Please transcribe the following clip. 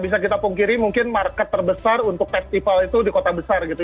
bisa kita pungkiri mungkin market terbesar untuk festival itu di kota besar gitu